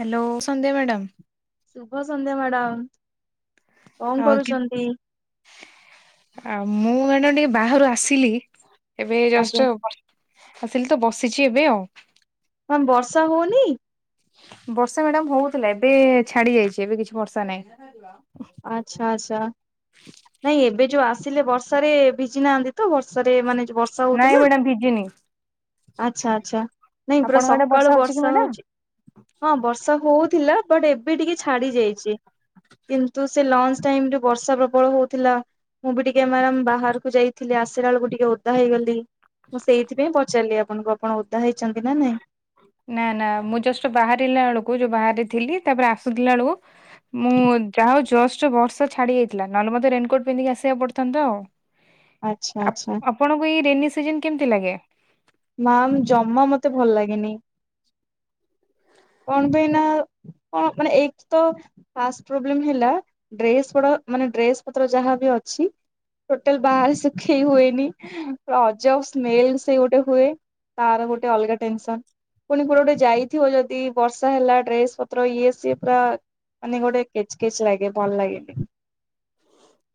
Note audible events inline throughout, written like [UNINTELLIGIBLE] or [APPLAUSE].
Hello ସଧ୍ୟ madam ଶୁଭ ସନ୍ଧ୍ୟା ମ୍ୟାଡାମ କଣ ଆଉ କି କରୁଛନ୍ତି ଆଉ ମୁଁ ଏଇନା ଟିକେ ବାହାରୁ ଆସିଲି ଏବେ ଆଜ୍ଞା ଜଷ୍ଟ ଆସିଲି ତ ବସିଚ ଏବେ ଆଉ। ହ ବର୍ଷା ହଉନି। ବର୍ଷା ମ୍ୟାଡାମ ହଉଥିଲା ଏବେ ଛାଡି ଯାଇଛି ଏବେ କିଛି ବର୍ଷା ନାହିଁ। ଆଚ୍ଛା ଆଚ୍ଛା ନାଇଁ ଏବେ ଯୋଉ ଆସିଲେ ବର୍ଷାରେ ଭିଜି ନାହାନ୍ତି ତ ବର୍ଷାରେ ମାନେ ନାଇଁ ମ୍ୟାଡାମ ଭିଜିିନି। ଆଛା ଆଚ୍ଛା। ନାଇଁ ପୁରା ଆଡେ ସକାଳୁ କି ବର୍ଷା ମ୍ୟାଡାମ? ହଉଛି ହଁ ବର୍ଷା ହଉଥିଲା ବଟ ଏ ବି ଟିକେ ଛାଡି ଯାଇଛି କିନ୍ ତୁ ସେ ଲଞ୍ଚ ଟାଇମରେ ବର୍ଷା ପ୍ରବଳ ହଉଥିଲା ମୁଁ ବି ଟିକେ ମରାମ ବାହାରକୁ ଯାଇଥିଲି ଆସିଲା ବେଳକୁ ଟିକ ଟିକେ ଓଦା ହେଇଗଲି ମୁଁ ସେଇଥିପାଇଁ ପଚାରିଲି ଆପଣଙ୍କୁ ଆପଣ ଓଦା ହେଇଛନ୍ତି ନା ନାଇଁ। ନା ନା ମୁଁ ଜଷ୍ଟ ବାହାରିଲା ବେଳକୁ ଯୋଉ ବାହାରେ ଥିଲି ତାପରେ ଆସୁଥିଲା ବେଳକୁ ମୁଁ ଯାହା ହଉ ଜଷ୍ଟ ବର୍ଷା ଛାଡି ଯାଇଥିଲା ନହେଲେ ମତେ ରେନକୋଟ ପିନ୍ଧିକି ଆସିବାକୁ ପଡିଥାନ୍ତା ଆଉ। ଆଚ୍ଛା ଆପ ଆଚ୍ଛା। ଆପଣଙ୍କୁ ଏଇ ରେନି ସିଜନ କେମିତି ଲାଗେ? ମାମ୍ ଜମା ମତେ ଭଲ ଲାଗେନି। କଣ ପାଇଁ ନା ହଁ ମାନେ ଏଇ ତ ଫାଷ୍ଟ୍ ପ୍ରୋବ୍ଲେମ୍ ହେଲା ଡ୍ରେସ ଗୁଡା ମାନେ ଡ୍ରେସ ପତ୍ର ଯାହାବି ଅ ଛି ଟୋଟାଲ ବାହାର ଶୁଖେଇ ହୁଏନି ଅଜବ ସ୍ମେଲ ସେ ଗୋଟେ ହୁଏ ତାର ଗୋଟେ ଅଲଗା ଟେନସନ। ପୁଣି ଗୋଟେ ଗୋଟେ ଯାଇଥିବ ଯଦି ବର୍ଷା ହେଲା ଡ୍ରେସ ପତ୍ର ଇଏ ସିଏ ପୁରା ମାନେ ଗୋଟେ କେଚ୍ କେଚ୍ ଲାଗେ ଭଲ ଲାଗେନି।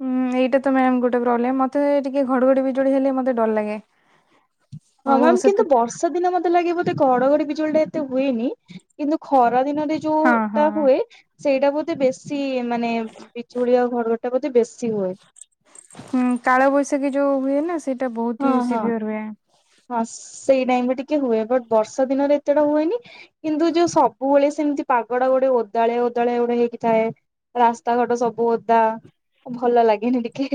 ହୁଁ। ହୁଁ ଏଇଟା ତ ମ୍ୟାମ ଗୋଟେ ପ୍ରୋବ୍ଲେମ ମତେ ଟିକେ ଘଡଘଡି ବିଜୋଡି ହେଲେ ମତେ ଡର ଲାଗେ। ଓ ହଁ ମ୍ୟାମ ସେତେ କିନ୍ତୁ ବର୍ଷା ଦିନ ମତେ ଲାଗିବତେ ଘଡଘଡି ବିଜୁଳି ଟା ଏତେ ହୁଏନି କିନ୍ତୁ ଖରା ଦିନରେ ହଁ ଯୋଉଟା ହଁ ହୁଏ ସେଇଟା ବୋଧେ ବେଶୀ ମାନେ ବିଜୁଳି ଆଉ ଘରଘଡିଟା ବୋଧେ ବେଶୀ ହୁଏ। ହୁଁ କାଳବୈଶାଖୀ ଯୋଉ ହୁଏ ନା ସେଇଟା ହଁ ବହୁତ ହି ହଁ ସିଭିୟର ହୁଏ। ହଁ ସେଇ ଟାଇମ ରେ ଟିକେ ହୁଏ ବଟ ବର୍ଷା ଦିନରେ ଏତେଟା ହୁଏନି କିନ୍ତୁ ଯୋଉ ସବୁବେଳେ ସେମିତି ପାଗଡା ଗୋଟେ ଓଦାଳେ ଓଦାଳେ ଗୋଟେ ହେଇକି ଥାଏ ରାସ୍ତାଘାଟ ସବୁ ଓଦା। ଭଲ ଲାଗେନି ଟିକେ।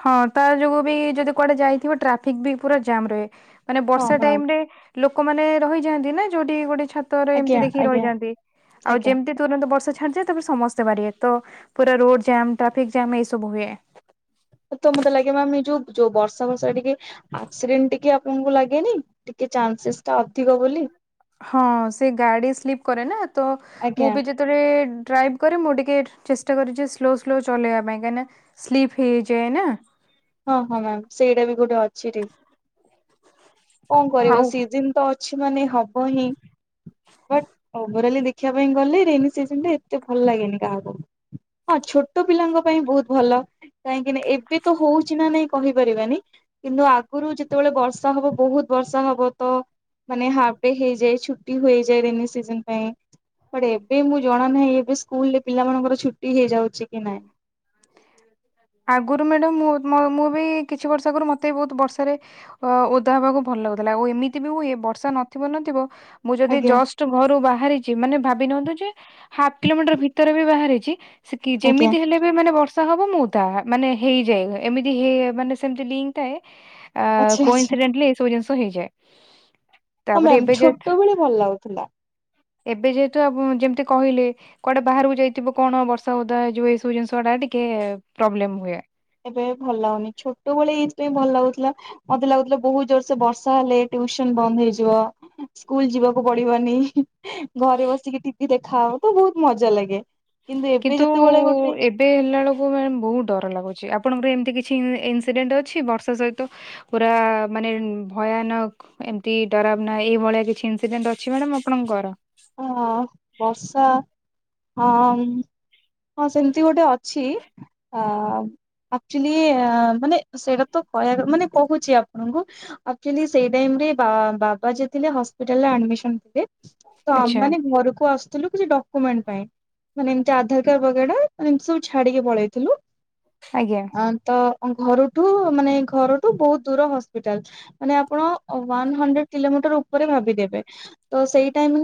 ହଁ ତା ଯୋଗୁ ବି ଯଦି କୁଆଡେ ଯାଇଥିବ ଟ୍ରାଫିକ ବି ପୁରା ଜାମ୍ ରୁହେ। ମାନେ ହଁ ବର୍ଷା ମ୍ୟାମ୍ ଟାଇମ ରେ ଲୋକମାନେେ ରହିଯାନ୍ତି ନା ଯୋଉଠି ଗୋଟେ ଛାତରେ ଆଜ୍ଞା ଏମତି ଦେଖି ଆଜ୍ଞା ରହିଯାନ୍ତି ଆଉ ଆଜ୍ଞା ଯେମିତି ତୁରନ୍ତ ବର୍ଷା ଛାଡିଯାଏ ତାପରେ ସମସ୍ତେ ବାରିବେ ତ ପୁରା ରୋଡ ଜାମ ଟ୍ରାଫିକ ଜାମ ଏଇ ସବୁ ହୁଏ। ତ ମତେ ଲାଗେ ମାମ ଯୋଉ ଯୋଉ ବର୍ଷା ବର୍ଷା ଟିକେ ଆକ୍ସିଡେଣ୍ଟ ଟିକେ ଆ ପଣଙ୍କୁ ଲାଗେନି ଟିକେ ଚାନ୍ସେସ୍ ଟା ଅଧିକ ବୋଲି। ହଁ ସେ ଗାଡି ସ୍ଲିପ୍ କରେ ନା ତ ମୁଁ ଆଜ୍ଞା ବି ଯେତେବେଳେ ଡ୍ରାଇଭ କରେ ମୁଁ ଟିକେ ଚେଷ୍ଟା କରେଜେ ସ୍ଲୋ ସ୍ଲୋ ଚଲେଇବା ପାଇଁ କାହିଁକିନା ସ୍ଲିପ୍ ହେଇଯାଏ ନା। ହଁ ହଁ ମ୍ୟାମ ସେଇଟା ବି ଗୋଟେ ଅଛି ରିସ୍କ। କଣ କରିବା ଆଉ ସିଜିନ ତ ଅଛି ମାନେ ହବ ହିଁ। ବଟ୍ ଓଭୋରାଲି ଦେଖିବା ପାଇଁ ଗଲେ ରେନୀ ସିଜିନ ଟା ଏତେ ଭଲ ଲାଗେନି କାହାକୁ? ହଁ ଛୋଟ ପିଲାଙ୍କ ପାଇଁ ବହୁତ ଭଲ କାହିଁକି ନା ଏବେ ତ ହଉ ଛି ନା ନାଇଁ କହିପାରିବାନି କିନ୍ତୁ ଆଗରୁ ଯେତେବେଳେ ବର୍ଷା ହବ ବହୁତ ବର୍ଷା ହବ ତ ମାନେ ହାଫଡେ ହେଇଯାଏ ଛୁଟି ହୋଇଯାଏ ରେନି ସିଜନ ପାଇଁ। ବଟ ଏବେ ମୁଁ ଜଣା ନାହିଁ ଏବେ ସ୍କୁଲରେ ପିଲାମାନଙ୍କର ଛୁଟି ହେଇଯାଉଛି କି ନାଇଁ। [UNINTELLIGIBLE] ଆଗରୁ ମ୍ୟାଡାମ ମୁଁ ମ ମୁଁ ବି କିଛି ବର୍ଷ ଆଗରୁ ମତେ ବି ବହୁତ ବର୍ଷାରେ ଓଦା ହେବାକୁ ଭଲ ଲାଗୁଥିଲା ଏମିତି ହୁଏ ବର୍ଷା ନଥିବ ନଥିବ ମୁଁ ଯଦି ଆଜ୍ଞା ଜଷ୍ଟ ଘରୁ ବାହରିଚି ମାନେ ଭା ବିନିଅନ୍ତୁ ଯେ ହାପ୍ କିଲୋମିଟର ଭିତରେ ବି ବାହାରିଛି କି ଆଜ୍ଞା ଯେମିତି ହେଲେ ବି ମାନେ ବର୍ଷା ହବ ମୁଁ ତା ମାନେ ହେଇଯାଏ ଏମିତି ହେ ମାନେ ସେମତି ଲିଙ୍କ ଥାଏ ଆ ଆଚ୍ଛା ଆଚ୍ଛା କୋଇନସିଡେଣ୍ଟଲି ଏ ସବୁ ଜିନିଷ ହେଇଯାଏ ହଁ ତାପରେ ଏବେ ମ୍ୟାାମ ଯେ ଛୋଟ ଭଳେ ଭଲ ଲାଗୁଥିଲା ଏବେ ଯେହେତୁ ଯେମିତି କହିଲେ କୁଆଡେ ବାହାରକୁ ଯାଇଥିବ କଣ ବର୍ଷା ହଉା ଏଇ ଯଉ ଏଇବୁ ଜିନିଷ ଗଟାିକ ପ୍ରବ୍ଲେମ ହୁଏ ଭଲ ଲାଗୁନି ଛୋଟ ଭଳି ଏଇଥିାଇ ଭଲ ଲାଗୁଥିଲା ମୋତେ ଲାଗୁଥିଲା ବହୁତ ଜୋର ସେ ବର୍ଷା ହେଲେ ଟୁସନ ବନ୍ଦ ହେଇଯିବ ସ୍କୁଲ ଯିବାକୁ ପଡିବନି ଘରେ ବସିକି ଟିଭି ଦେଖା ତ ବହୁ ଖୁ ମଜା ଲାଗେ ଏବେ କିନ୍ତୁ ଯେତେବେଳେ ଗୋଟେ ଏବେ ହେଲା ବେଳକୁ ମ ବହୁତ ଡର ଲାଗୁଛି ଆପଣଙ୍କର ଏମିତି କିଛି ଇନସିଡେଣ୍ଟ ଅଛି ବର୍ଷା ସହିତ ପୁରା ମାନେ ଭୟାନକ ଏମିତି ଡରାବ ନାହିଁ ଏଇଭଳିଆ କିଛି ଇନସିଡେଣ୍ଟ ଅଛି ମ୍ୟାଡ ଆପଣଙ୍କର ହ ବର୍ଷା ହଁ ହଁ ସେମିତି ଗୋଟେ ଅଛି ଅ ଆଚୁଲି ମାନେ ସେଇଟା ତ କହ ମାନେ କହୁଛି ଆପଣଙ୍କୁ ଆଚୁ ସେଇଟା ବା ହପିଟାଲମି ଥିଲେ ଆଚ୍ଛା ତମମାନେେ ଘରକୁ ଆସୁଥିଲୁ କିଛି ଡ ମାନେ ଆଧ କ ବଗେଇା ମାନେ ଏମତି ସବୁ ଛାଡିକି ପଳେଇଥିଲୁ ଆଜ୍ଞା ହଁ ତ ଘରଠୁ ମାନେ ଘରଠୁ ବହୁତ ଦୂର ହସ୍ପିଟାଲ ମାନେ ଆପଣ ୱାନ ହଣ୍ଡ୍ରେଡ କିଲୋମିଟର ଭି ସେୋ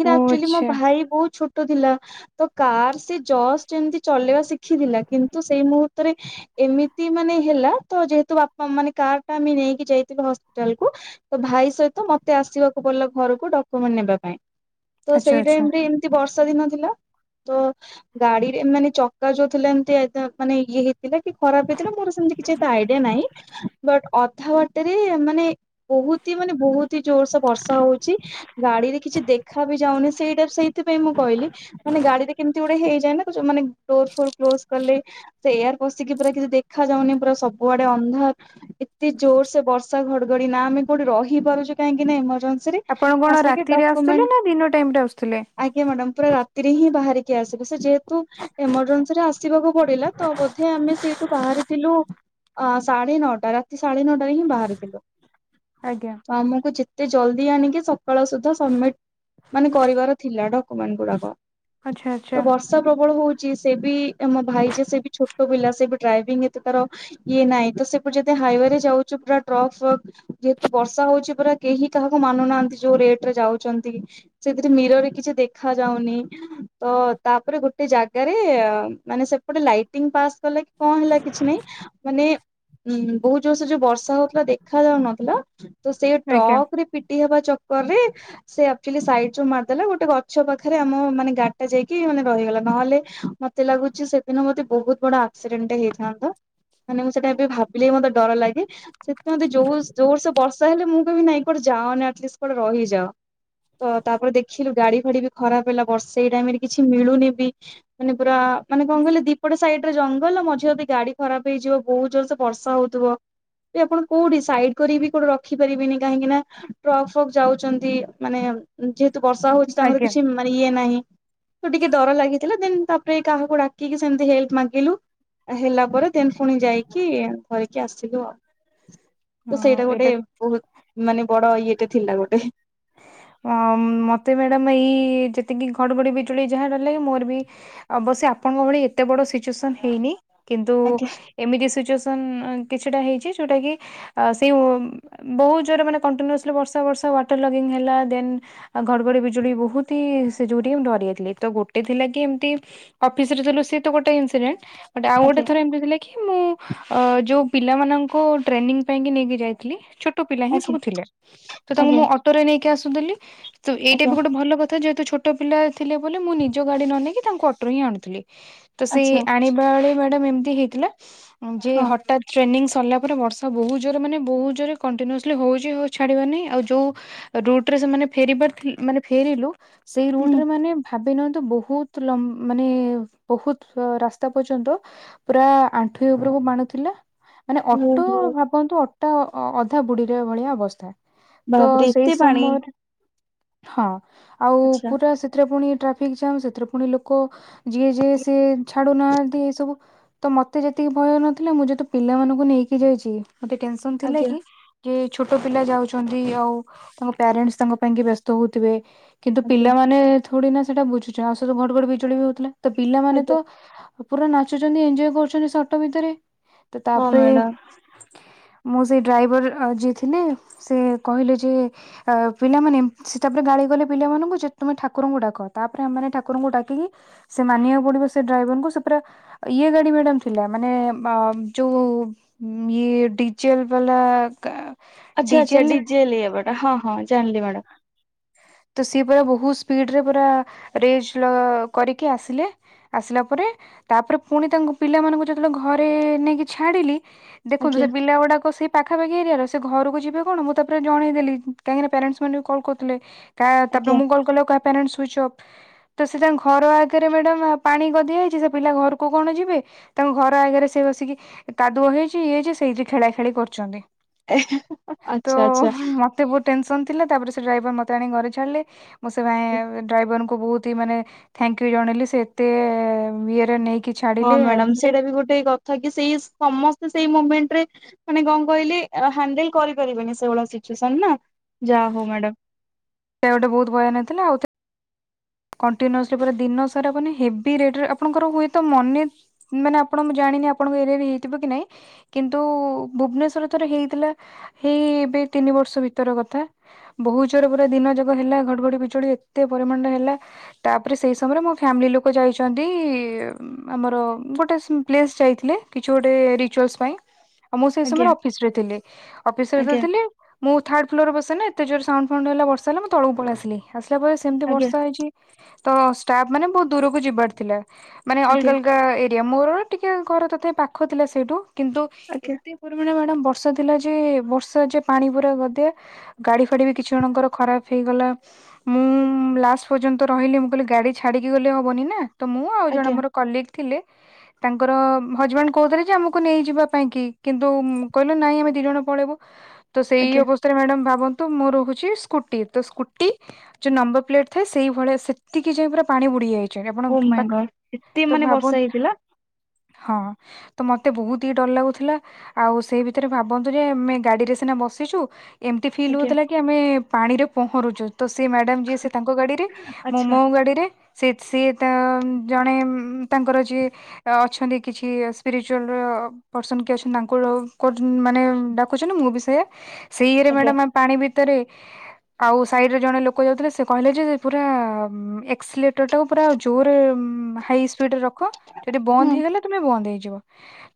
ଓ ଆଚ୍ଛା ଭ ଛୋଟ ଥିଲା ତ କାର୍ ସେ ଜଷ୍ଟ ଏମତି ଚଲେଇବା ଶିଖିଥିଲା କିନ୍ତୁ ସେଇ ମୁହୂର୍ତ୍ତରେ ଏମିତି ମାନେ ହେଲା ତ ଯେହେତୁ ବାପା ମାନେ କାର ଟା ଆମେ ନେଇକି ଯାଇଥିଲୁ ହସ୍ପିଟାଲ କୁ ତ ଭାଇ ସହିତ ମତେ ଆସିବାକୁ ପଡିଲ ଘରକୁ ଡକୁମେଣ୍ଟ ନେବା ପାଇଁ ତ ଆଚ୍ଛା ସେଇ ଆଚ୍ଛା ଟାଇମ ରେ ଏମିତି ବର୍ଷା ଦିନ ଥିଲା ତ ଗାଡିରେ ମାନେ ଚକା ଯୋଉ ଥିଲା ଏମତି ମାନେ ଇଏ ହେଇଥିଲା କି ଖରାପ ହେଇଥିଲା ମୋର ସେମ ଆଇଡିଆ ନାଇଁ ବଟ ଅଧା ବାଟରେ ମାନେ ବହୁତ ହି ମାନେ ବହୁତ ହି ଜୋର ବର୍ଷା ହଉଛି ଗାଡିରେ କିଛି ଦେଖା ବି ଯାଉନି ସେଇଟା ସେଇଥିାଇଁ ମୁଁ କହିଲି ମାନେ ଗାଡିରେ କେମିତି ଗୁଟେ ହେଇ ଡ୍ୋ କଲେ ଏାର ପଶି ପା କିଛି ଦେଖାଯ ଯାଉନି ପୁରା ସବୁଆଡେ ନ୍ ଏତେ ଜୋର ସେ ବର୍ଷା ଘଡଘଡି ନା ଆମେ କୋଉଠି ରହିାରୁଛୁ କାହିଁକି ନାଜେ ଆପଣ କଣ ରାତିରେ ଆସୁଥିଲେ ନା ଦିନ ଟାଇମ ରେ ଆସୁଥିଲେ ଆଜ୍ଞା ମ୍ୟାଡାାମ ପୁରା ରାତିରେ ହିଁ ବାହାରିକି ଆସିବେ ସେ ଯେହେତୁ ଏମରଜେନ୍ସି ରେ ଆସିବାକୁ ପଡିଲା ତ ବୋଧେ ଆମେ ସେଇଠୁ ବାହାରିଥିଲୁ ଅ ସାଢେ ନଅଟା ରାତି ସାଢେ ନଅଟାରେ ହିଁ ବାହାରିଥିଲୁ ଆଜ୍ଞା ଆମକୁ େ ଜଲଦି ଆଣିକି ସକାଳ ସୁଧା ସବମିଟ ମାନେ କରିବାର ଥିଲା ଡକୁମେଣ୍ଟ ଗୁଡା ତ ଆଚ୍ଛା ଆଚ୍ଛା ବର୍ଷା ପ୍ରବଳ ହଉଛି ସେ ବି ଆମ ଭାଇ ଯେ ସେ ବି ଛୋଟ ପିଲା ସେ ବି ଡ୍ରାଇଭିଂ ତାର ଇଏ ନହିଁ ତ ସେଠୁ ଯଦି ହାଇୱେ ରେ ଯାଉଛୁ ପୁରା ଟଫ ଯେହେତୁ ବର୍ଷା ହଉଛି ପୁରା କେହି କାହାକୁ ମାନୁନାହାନ୍ତି ଯୋଉ ରେଟ ରେ ଯାଉଛନ୍ତି ସେଥିରେ ମୀରରେ କିଛି ଦେଖା ଯାଉନି ତ ତାପରେ ଗୋଟେ ଜାଗାରେ ମାନେ ସେପଟେ ଲାଇଟିଂ ପାସ୍ କଲା କି କଣ ହେଲା କିଛି ନାଇଁ ମାନେ ଉଁ ବହୁତ ଜୋର ସେ ଯୋଉ ବର୍ଷା ହଉଥିଲା ଦେଖା ଯାଉନଥିଲା ତ ସେ ଆଜ୍ଞା ଟ୍ରକ ରେ ପିଟି ହେବା ଚକର ରେ ସେ ସାଇଡ ରୁ ମାରିଦେଲା ଗୋଟେ ଗଛ ପାଖରେ ଆମ ମାନେ ଗାଡିାାଇକି ମାନେ ରହିଗଲା ନହେଲେ ମତେ ଲାଗୁ ସେଦିନ ମୋତେ ବହୁତ ବଡ ଆଡଣ୍ଟ ହେଇଥାନ୍ତତା ମାନେ ମୁଁ ସେଇଟା ଏବେ ଭାବିଲେ ହି ମତେ ଡର ଲାଗେ ସେଥିେୋଉ ଜୋର ସେ ବର୍ଷା ହେଲେ ମୁଁ କେି ନାଇଁ କୁଟେ ଯାଅନିଟଷ୍ଟ କୋଟେ ରହିଯାଅ ତ ତାପରେ ଦେଖିଲୁ ଗାଡି ଫାଡି ବି ଖରାପ ହେଲା ବର୍ଷେ ଟାଇମ ରେ କିଛି ମିଳୁନି ବି ମାନେ ପୁରା ମାନେ କଣ କହିଲେ ଦୀପଟ ସାଇଡରେ ଜଙ୍ଗଲ ମଝିରେ ଯଦି ଗାଡି ଖରାପ ହେଇଯିବ ବହୁତ ଜୋରସେ ବର୍ଷା ହଉଥିବ ଆପଣ କୋଉଠି ସାଇଡ କରି କୋଉଠି ରଖିପାରିବେିନି କାହିଁକି ନା ଟ୍ରକ୍ ଫକ୍ ଯାଉଛନ୍ତି ମାନେ ଯେହେତୁ ବର୍ଷା ହଉଛି ତାଙ୍କର ଆଜ୍ଞା କିଛି ମାନେ ଇଏ ନାହିଁ ତ ଟିକେ ଡର ଲାଗିଥିଲା ଦେନ ତା [UNINTELLIGIBLE] କାହାକୁ ଡାକିକି ସେମିତି ହେଲ୍ପ ମାଗିଲୁ? ହେଲା ପରେ ଦେନ ପୁଣି ଯାଇକି ଧରିକି ଆସିଲୁ ଆଉ। ତ ହଁ ସେଇଟା ଏଇଟା ଗୋଟେ ବହୁତ ମାନେ ବଡ ଇଏଟେ ଥିଲା ଗୋଟେ। ଅ ମତେ ମ୍ୟାଡାମ ଏଇ ଯେତିକି ଘଡଘଡି ବିଜୁଳି ଯାହାଡଲେ ମୋର ବି ଅବ ବ ସେ ଆପଣଙ୍କ ଭଳି ଏତେ ବଡ଼ ସିଚୁଏସନ୍ ହେଇନି କିନ୍ତୁ ଆଜ୍ଞା ଏମିତି ସିଚୁଏସନ କିଛିଟା ହେଇଛି ଯୋଉଟା କି ଆ ସେ ବହୁତ ଜୋରେ ମାନେ କଣ୍ ବର୍ଷା ବର୍ଷା ଟର ଲଗ୍ ଈନ୍ ହେଲା ଦେନ୍ ଘଡଘଡି ବିଜୁଳି ବହୁତି ସେ ଯୋଗୁ ଟିକେ ମୁଁ ଡରିଗଲି ତ ଗୋଟେ ଥିଲା କି ଏମତି ଅଫିସରେ ଥିଲୁ ସେ ତ ଗୋଟେ ଇନ୍ସିଡେଣ୍ଟ ଟେ ଆଉ ଗୋଟେ ଆଜ୍ଞା ଥରେ ଏମିତି ଥିଲା କି ମୁଁ ଅ ଯୋଉ ପିଲାମାନଙ୍କୁ ଟ୍ରେନିଂ ପାଇଁ ନେଇକି ଯାଇଥିଲି ଛୋଟ ପିଲା ହିଁ ଆଜ୍ଞା ସବୁ ଥିଲେ ତ ତାଙ୍କୁ ମୁ ଆଜ୍ଞା ଅ ଟରେ ନେଇକି ଆସୁଥିଲି ତ ଏଇଟା ଆଜ୍ଞା ବି ଗୋଟେ ଭଲ କଥା ଯେହେ ତୁ ଛୋଟ ପିଲା ଥିଲେ ବୋଲି ମୁଁ ନିଜ ଗାଡି ନ ନେଇକି ତାଙ୍କ ଅଟୋରେ ହିଁ ଆଣୁଥିଲି। ସେ ଆଚ୍ଛା ଆଣିବା ବେଳେ ମ୍ୟାଡ଼ାମ ଏମିତି ହେଇଥିଲା ଯେ ହଁ ହଠାତ୍ ଟ୍ରେନିଂ ସ୍ ସରିଲା ପରେ ବର୍ଷା ବହୁତ ଜୋର ମାନେ ବହୁତ ଜୋରେ କଣ୍ଟିନ୍ୟୁସଲି ହଉଛି ହୋଉ ଛାଡ଼ିବାର ନାହିି ଆଉ ଯୋଉ ରୁଟରେ ସେମାନେ ଫେରିବାର ଥି ମାନେ ଫେରିଲୁ ସେଇ ହୁଁ ରୁଟରେ ମାନେ ଭାବିି ନିଅନ୍ତୁ ବହୁତ ଲମ୍ ମାନେ ବହୁତ ରାସ୍ତା ପର୍ଯ୍ୟନ୍ତ ପୁରା ଆ ଠେଇ ଉପରକୁ ମାଣୁଥିଲା ମାନେ ହୁଁ ଅଟୋ ହୁଁ ଭାବନ୍ତୁ ଅଟୋ ଅଧା ବୁଡିଲା ଭଳିଆ ଅବସ୍ଥା। ତ ବାପରେ ସେଇ ଏତେ ପାଣି ସମୟରେ ହଁ ଆଉ ଆଚ୍ଛା ପୁରା ସେଥିରେ ପୁଣି ଟ୍ରାଫିକ ଜାମ୍ ସେଥିରେ ଫୁଣି ଲୋକ ଯିଏ ଯିଏ ସିଏ ଛାଡୁନାହାନ୍ତି ଏ ସବୁ ତ ମତେ ଜେତି ଟିକେ ଭୟ ନଥିଲା ମୁଁ ଯେହେତୁ ପିଲାମାନଙ୍କୁ ନେଇକି ଯାଇଛି ମତେ ଟେନସନ ଥିଲା ଆଜ୍ଞା କି ଯେ ଛୋଟ ପିଲା ଯାଉଛନ୍ତି ନ୍ତି ଆଉ ତାଙ୍କ ପ୍ୟାରେଣ୍ଟସ ତାଙ୍କ ପାଇଁକି ବ୍ୟସ୍ତ ହେଉଥିବେ କିନ୍ତୁ ଆଜ୍ଞା ପିଲାମାନେ ଥୋଡି ନା ସେଇଟା ବୁଝୁଛ। ଆ ସେ ତ ଭଡ୍ ଭଡ ବିଜୁଳି ବି ହଉଥିଲା ତ ପିଲାମାନେ ଆଜ୍ଞା ତ ପୁରା ନାଚୁଛନ୍ତି ଏନଞଜୟ କରୁଛନ୍ତି ସେ ଅଟୋ ଭିତରେ ତ ହଁ ତାପରେ ମ୍ୟାଡାମ ମୁଁ ସେଇ ଡ୍ରାଇଭର ଯିଏ ଥିଲେ ସେ କହିଲେ ଯେ ପିଲାମାନେ ସେ ତାପରେ ଗାଳି କଲେ ପିଲାମାନଙ୍କୁ ଯେ ତୁମେ ଠାକୁରଙ୍କୁ ଡାକ ତାପରେ ଆମେ ଠାକୁରଙ୍କୁ ଡ଼ାକିକି ସେ ମାନିବାକୁ ପଡ଼ିବ ସେ ଡ୍ରାଇଭରଙ୍କୁ ପୁରା ଇଏ ଗାଡି ମ୍ୟାଡ଼ାମ ଥିଲା ମାନେ ମା ଯୋଉ ଇଏ ଡିଯେଲ ବାଲା ଗା ଆଚ୍ଛା ଆଛା ଡିଜେଲ ଇଏ ହବାଟା ହଁ ହଁ ଜାଣିଲି ମ୍ୟାଡ଼ାମ। ତ ସିଏ ପୁରା ବହୁତ ସ୍ପିଡରେ ପୁରା ରେଜ୍ ଲ କରିକି ଆସିଲେ। ଆସିଲା ପରେ ତାପରେ ପୁଣି ତାଙ୍କୁ ପିଲାମାନଙ୍କୁ ଯେତେବେଳେ ଘରେ ନେଇକି ଛାଡିଲି ଦେଖନ୍ତୁ ଆଜ୍ଞା। ସେ ପିଲା ଗୁଡାକ ସେ ପାଖାପାଖି ଏରିଆର ସେ ଘରକୁ ଯିବେ କଣ ମୁଁ ତାପରେ ଜଣେଇଦେଲି କାହିଁକିନା ପ୍ୟାରେଣ୍ଟସ୍ ମାନେ ବି କଲ୍ କରୁଥିଲେ କା ତାପରେ ଆଜ୍ଞା। ମୁଁ କଲ୍ କଲେ ଆଉ କା ପ୍ୟାରେଣ୍ଟସ ସୁଇଚ୍ ଅଫ୍ ତ ସେ ତାଙ୍କ ଘର ଆଗରେ ମ୍ୟାଡାମ ପାଣି ଗଦିଆ ଯାଇଛି ସେ ପିଲା ଘରକୁ କଣ ଯିବେ ତାଙ୍କ ଘର ଆଗରେ ସେ ବସିକି କାଦୁଅ ହେଇଛି ଇଏ ହେଇଛି ସେଇଠି ଖେଳା ଖେଳି କରୁଛନ୍ତି। ତ ଆଚ୍ଛା ଆଚ୍ଛା ମତେ ବହୁତ୍ ଟେନ୍ସ ସନ୍ ଥିଲା ତାପରେ ସେ ଡ୍ରାଇଭର ମତେ ଆଣିକି ଘରେ ଛାଡ଼ିଲେ ମୁଁ ସେ ଡ୍ରାଇଭରଙ୍କୁ ବହୁତ ତି ମାନେ ଥାଙ୍କ ୟୁ ଜଣେଇଲି ସେ ଏତେ ଇଏତେ ନେଇକି ହଁ ଛାଡିଲେ ମ୍ୟାଡାମ ଆସିଲେ ସେଇଟା ବି ଗୋଟେ କଥା କି ସେଇ ସମସ୍ତେ ସେଇ ମୁ ମେଣ୍ଟରେ ମାନେ କଣ କହିଲେ ହ୍ୟାଣ୍ଡଲ କରିପାରିବେନି ସେଇ ଭଳିଆ ସିଚୁଏସନ୍ ନା ଯାହା ହଉ ମ୍ୟାଡାମ ସେ ଗୋଟେ ବହୁତ ଭୟ ନେଇଥିଲା ଆଉ ଥ କଣ୍ଟିନିଓସ୍ଲି ପୁରା ଦିନ ସାରା ମାନେ ହେଭି ରେଟରେ ଆପଣଙ୍କର ହୁଏତ ମନେ ମାନେ ଆପଣ ମୁଁ ଜା ଣିନି ଆପଣଙ୍କ ଏରିଆରେ ହେଇଥିବକି ନାଇଁ କିନ୍ତୁ ଭୁବନେଶ୍ଵରରେ ଥରେ ହେଇଥିଲା ହେଇ ଏବେ ତିନି ବର୍ଷ ଭିତର କଥା। ବହୁ ଜୋରେ ପୁରା ଦିନ ଯାକ ହେଲା ଘଡ଼ଘଡ଼ି ବିଜୁଳି ଏତେ ପରିମାଣରେ ହେଲା ତାପରେ ସେଇ ସମୟରେ ମୋ ଫ୍ୟାମିଲି ଲୋକ ଯାଇଛନ୍ତି ଆମର ଗୋଟେ ପ୍ଲେସ ଯାଇଥିଲେ କିଛି ଗୋଟେ ରିଚୁଆଲସ୍ ପାଇଁ ଆଉ ମୁଁ ସେଇ ଆଜ୍ଞା ସମୟରେ ଅଫିସ ରେ ଥିଲି ଅଫିସ ରେ ଯେତେବେଳେ ଆଜ୍ଞା ଥିଲି ମୁଁ ଥାର୍ଡ ଫ୍ଲୋରରେ ବସେନା ଏତେ ଜୋର ସାଉଣ୍ଡ ଫାଉଣ୍ଡ ହେଲା ବର୍ଷା ହେଲା। ମୁଁ ତଳକୁ ପଳେଇ ଆସିଲି। ଆସିଲା ପରେ ସେମତି ଆଜ୍ଞା ବର୍ଷା ହେଇଛି ତ ଷ୍ଟାଫ ମାନେ ବହୁତ ଦୂରକୁ ଯିବାର ଥିଲା, ମାନେ ଅଲଗା ଆଜ୍ଞା ଅଲଗା ଏରିଆ। ମୋର ଟିକେ ଘର ତଥାପି ପାଖ ଥିଲା ସେଇଠୁ, କିନ୍ତୁ ଆଜ୍ଞା ଏତେ ପରିମାଣ ମ୍ୟାଡ଼ମ୍ ବର୍ଷା ଥିଲା ଯେ ବର୍ଷା ଯେ ପାଣି ପୁରା ଗଦେ, ଗାଡ଼ି ଫାଡ଼ି ବି କିଛି ଜଣଙ୍କର ଖରାପ ହେଇଗଲା। ମୁଁ ଲାଷ୍ଟ ପର୍ଯ୍ୟନ୍ତ ରହିଲି, ମୁଁ କହିଲି ଗାଡ଼ି ଛାଡ଼ିକି ଗଲେ ହବନି ନା। ତ ମୁଁ ଆଉ ଜଣେ ଆଜ୍ଞା ମୋର କଲିକ୍ ଥିଲେ ତାଙ୍କର ହଜବେଣ୍ଡ କହୁଥିଲେ ଯେ, ଆମକୁ ନେଇଯିବା ପାଇଁ କି। କିନ୍ତୁ କହିଲେ ନାଇଁ ଆମେ ଦି ଜଣ ପଳେଇବୁ। ତ ସେଇ ଆଜ୍ଞା। ଅବସ୍ଥାରେ ମ୍ୟାଡାମ ଭାବନ୍ତୁ, ମୋର ହଉଛି ସ୍କୁଟି। ତ ସ୍କୁଟି ଯୋଉ ନମ୍ବର ପ୍ଲେଟ ଥାଏ ସେଇଭଳିଆ ସେତିକି ଯାଇ ପୁରା ପାଣି ବୁଡ଼ି ଯାଇ ଥାଏ ଆପଣ ଓ ମାଇଁ ପାଖ ଗଡ ଏତେ ତ ମାନେ ବର୍ଷା ଭାବନ୍ତୁ ହେଇଥିଲା ହଁ। ତ ମୋତେ ବହୁତ ହି ଡର ଲାଗୁଥିଲା। ଆଉ ସେଇ ଭିତରେ ଭାବନ୍ତୁ ଯେ, ଆମେ ଗାଡ଼ିରେ ସିନା ବସିଛୁ। ଏମିତି ଫିଲ୍ ଆଜ୍ଞା ହଉଥିଲା କି, ଆମେ ପାଣିରେ ପହଁରୁଛୁ। ତ ସେ ମ୍ୟାଡମ୍ ତାଙ୍କ ଗାଡିରେ, ମୁଁ ଆଚ୍ଛା ମୋ ଗାଡିରେ। ସେ ସିଏ ତା ଜଣେ ତାଙ୍କର ଯିଏ ଅଛନ୍ତି, କିଛି ସ୍ପିରିଚୁଆଲ ପର୍ସନ କିଏ ଅଛନ୍ତି ତାଙ୍କୁ ମାନେ ଡାକୁଛନ୍ତି, ମୁଁ ବି ସେଇଆ। ସେଇରେ ଆଜ୍ଞା ମ୍ୟାଡମ ପାଣି ଭିତରେ, ଆଉ ସାଇଡରେ ଜଣେ ଲୋକ ଯାଉଥିଲେ ସେ କହିଲେ ଯେ ପୁରା ଏକ୍ସିଲେଟର ଟାକୁ ପୁରା ଜୋର ହାଇ ସ୍ପିଡ଼ରେ ର ଖ ଯଦି ବନ୍ଦ ହୁଁ। ହେଇଗଲା, ତୁମେ ବନ୍ଦ ହେଇଯିବ।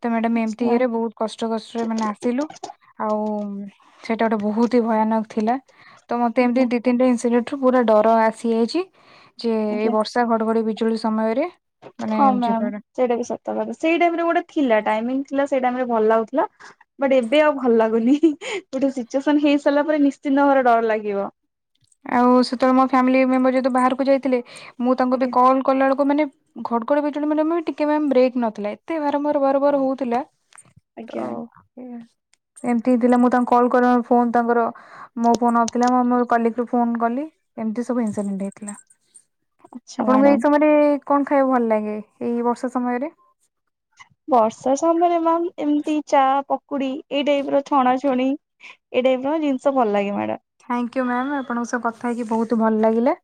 ତ ମ୍ୟାଡାମ ଏମିତି ଆଚ୍ଛା ଇଏରେ, ବହୁତ କଷ୍ଟ କଷ୍ଟରେ ମାନେ ଆସିଲୁ। ଆଉ ସେଇଟା ଗୋଟେ ବହୁତ ହି ଭୟାନକ ଥିଲା। ତ ମତେ ଏମିତି ଆଜ୍ଞା ଦି ତିନିଟା ଇନ୍ସିଡେଣ୍ଟ ରୁ ପୁରା ଡର ଆସି ଯାଇଛି, ଯେ ଏଇ ଆଜ୍ଞା ବର୍ଷା ଘଡଘଡି ବିଜୁଳି ସମୟରେ ମାନେ ହଁ ମ୍ୟାମ ଯିବାର ସେଇଟା ବି ସତ କଥା, ସେଇ ଟାଇମ୍ ରେ ଗୋଟେ ଥିଲା ଟାଇମିଇଂ ସେଇ ଟାଇମ୍ ରେ ଭଲ ଲାଗୁଥିଲା, ବଟ ଏବେ ଆଉ ଭଲ ଲାଗୁନି ଗୋଟେ ସିଚୁଏସ ହେଇ ସାରିଲା ପରେ ନି [UNINTELLIGIBLE] ଡର ଲାଗିବ। ଆଉ ସେତେବେଳେ ମୋ ଫ୍ୟାମିଲି ମୁଁ ବି ବାହାରକୁ ଯାଇଥିଲି, ମୁଁ ତାଙ୍କୁ ବି ଆଜ୍ଞା କଲ କଲା ବେଳକୁ ମାନେ ଘଡଗଡ ବିଜୁଳି ମାନେ ଟିକେ ମ୍ୟାମ୍ ବ୍ରେକ୍ ନଥିଲା। ଏତେ ବାରମ୍ବାର ବାରମ୍ବାର ହଉଥିଲା ତ ଆଜ୍ଞା ଏଇଆ। ଏମିତି ହେଇଥିଲା ମୁଁ ତାଙ୍କ କଲ୍ କର ଫୋନ ତାଙ୍କର, ମୋ ଫୋନ ନଥିଲା ମୁଁ କଲି ତ ଫୋନ କଲି ଏମତି ସବୁ ଇନ୍ସିଡେଣ୍ଟ ହେଇଥିଲା। ଆଚ୍ଛା ଆପଣଙ୍କୁ ଏଇ ମ୍ୟାଡାମ ସମୟରେ କଣ ଖାଇବାକୁ ଭଲ ଲାଗେ, ଏଇ ବର୍ଷା ସମୟରେ? ବର୍ଷା ସମୟରେ ମ୍ୟାମ ଏମିତି ଚା କ ପକୁଡି ଏଇ ଟାଇପର ଛଣା ଛୁଣି, ଏଇ ଟାଇପର ଜିନିଷ ଭଲ ଲାଗେ ମ୍ୟାଡାମ୍। ଥ୍ୟାଙ୍କ ୟୁ ମ୍ୟାମ୍, ଆପଣଙ୍କ ସହ କଥା ହେଇକି ବହୁତ ଭଲ ଲାଗିଲା।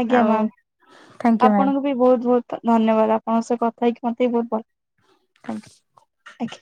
ଆଜ୍ଞା ଆଉ ମ୍ୟାମ୍ ଥ୍ୟାଙ୍କୟୁ ମ୍ୟାମ୍। ଆପଣଙ୍କୁ ବି ବହୁତ ବହୁତ ଧନ୍ୟବାଦ ଆପଣଙ୍କ ସହ କଥା ହେଇକି ମତେ ବି ବହୁତ ଭଲ ଆ ଆଜ୍ଞା।